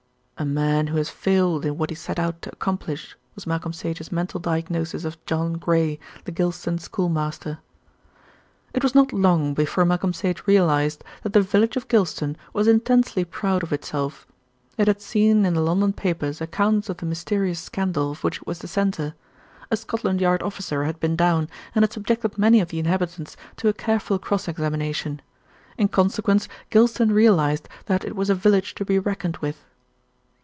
"A man who has failed in what he set out to accomplish," was Malcolm Sage's mental diagnosis of John Gray, the Gylston schoolmaster. It was not long before Malcolm Sage realised that the village of Gylston was intensely proud of itself. It had seen in the London papers accounts of the mysterious scandal of which it was the centre. A Scotland Yard officer had been down, and had subjected many of the inhabitants to a careful cross examination. In consequence Gylston realised that it was a village to be reckoned with.